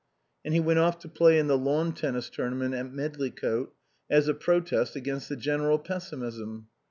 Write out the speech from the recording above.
And he went off to play in the lawn tennis tournament at Medlicote as a protest against the general pessimism.